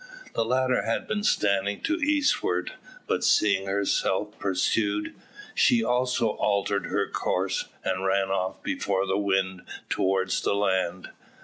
The latter had been standing to the eastward; but seeing herself pursued, she also altered her course, and ran off before the wind towards the land.